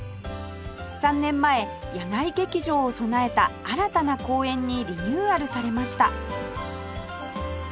３年前野外劇場を備えた新たな公園にリニューアルされました